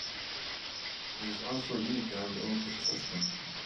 There is also a unique Garry Oak ecosystem.